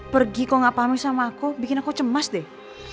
pergi kok gak paham sama aku bikin aku cemas deh